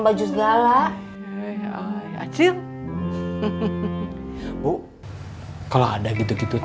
berapa bayaran orang indonesia